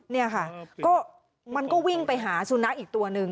นี่ค่ะก็มันก็วิ่งไปหาสุนัขอีกตัวหนึ่ง